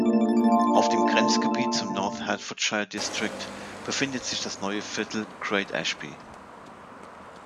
Auf dem Grenzgebiet zum North Hertfordshire District befindet sich das neue Viertel Great Ashby.